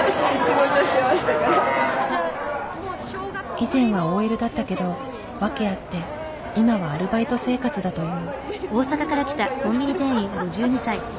以前はＯＬだったけど訳あって今はアルバイト生活だという。